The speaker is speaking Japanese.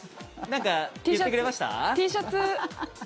何か言ってくれました？